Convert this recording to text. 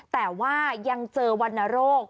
แต่ว่ายังเจอวรรณโรค